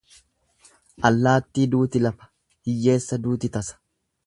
Allaattii duuti lafa, hiyyeessa duuti tasa.